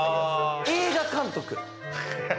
映画監督。